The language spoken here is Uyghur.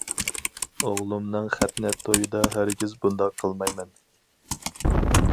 ئوغلۇمنىڭ خەتنە تويىدا ھەرگىز بۇنداق قىلمايمەن.